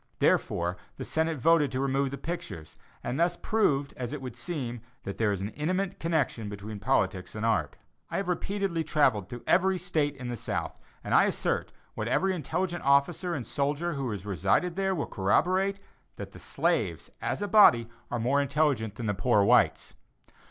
Therefore, the Senate voted to remove the pictures, and thus proved as it would seem, that there is an intimate connection between politics and art. I have repeatedly travelled through every State in the South, and I assert, what every intelligent officer and soldier who has resided there will corroborate, that the slaves, as a body, are more intelligent than the poor whites.